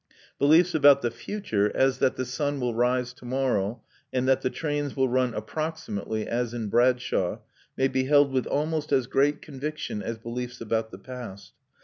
Beliefs about the future, as that the sun will rise to morrow and that the trains will run approximately as in Bradshaw, may be held with almost as great conviction as beliefs about the past.